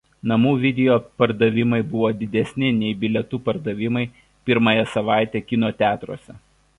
Namų video pardavimai buvo didesni nei bilietų pardavimai pirmąją savaitę kino teatruose.